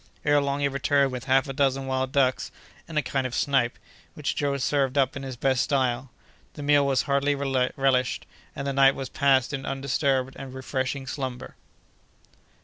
Ere long, he returned with half a dozen wild ducks and a kind of snipe, which Joe served up in his best style. The meal was heartily relished, and the night was passed in undisturbed and refreshing slumber.